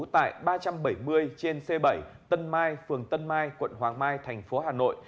tại ba trăm bảy mươi trên c bảy tân mai phường tân mai quận hoàng mai thành phố hà nội